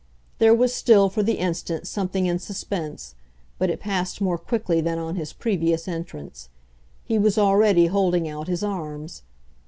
There was still, for the instant, something in suspense, but it passed more quickly than on his previous entrance. He was already holding out his arms.